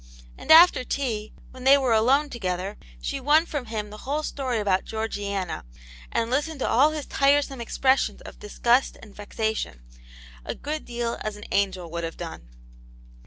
And after tea, when they were alone together, she won from him the whole story about Georgiana, and listened to all his tiresome expressions of disgust and vexation, a good deal as an angel would have done.